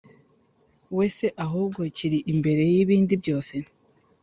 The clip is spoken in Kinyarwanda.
wese ahubwo kiri imbere yibindi byose